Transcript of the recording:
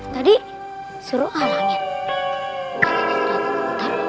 tadi suruh alangin